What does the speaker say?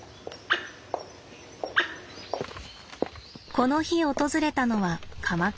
この日訪れたのは鎌倉。